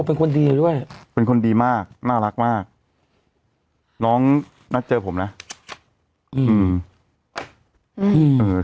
เป็นคนดีด้วยเป็นคนดีมากน่ารักมากน้องนัดเจอผมนะอืมเออ